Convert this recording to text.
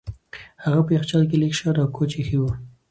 هغه په یخچال کې لږ شات او کوچ ایښي وو.